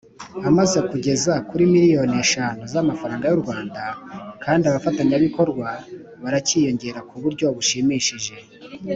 Amaze kugeza kuri miliyoni eshanu z’amafaranga y’U Rwanda kandi abafatanyabikorwa barakiyongera ku buryo bushimishije.